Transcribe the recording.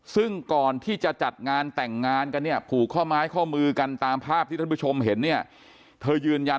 ซึ่งก่อนที่จะจัดงานแต่งงานกันเนี่ยผูกข้อไม้ข้อมือกันตามภาพที่ท่านผู้ชมเห็นเนี่ยเธอยืนยัน